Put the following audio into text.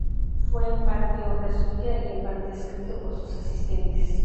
Fue en parte obra suya y en parte escrito por sus asistentes.